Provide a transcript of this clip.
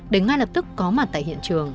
đến ngay lập tức có mặt tại hiện trường